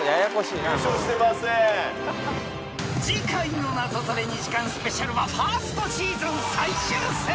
［次回の『ナゾトレ』２時間スペシャルはファーストシーズン最終戦］